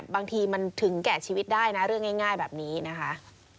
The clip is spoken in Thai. บางทีมันถึงแก่ชีวิตได้นะเรื่องง่ายแบบนี้นะคะ